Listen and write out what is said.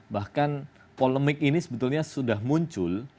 bahkan polemik ini sebetulnya sudah muncul